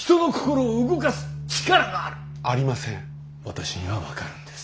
私には分かるんです。